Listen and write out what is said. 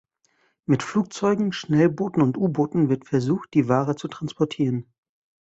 Mit Flugzeugen, Schnellbooten und U-Booten wird versucht, die Ware zu transportieren.